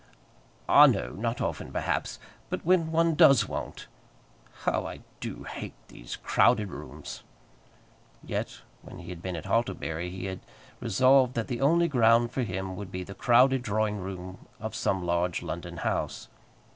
"Ah, no; not often, perhaps. But when one does want! How I do hate these crowded rooms!" Yet, when he had been at Hartlebury he had resolved that the only ground for him would be the crowded drawing room of some large London house.